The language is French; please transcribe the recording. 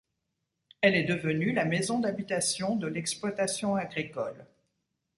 Elle est devenue la maison d'habitation de l'exploitation agricole.